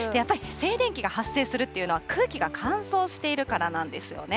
静電気が発生するっていうのは、空気が乾燥しているからなんですよね。